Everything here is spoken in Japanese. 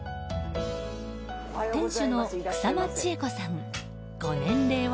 店主の草間千恵子さんご年齢は？